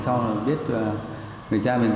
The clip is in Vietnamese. sau đó biết là người cha mình